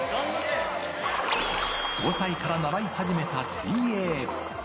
５歳から習い始めた水泳。